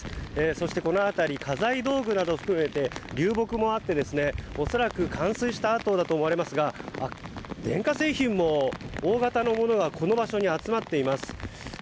そして、この辺り家財道具などを含めて流木もあって、恐らく冠水したあとかと思いますが電化製品も大型のものがこの場所に集まっています。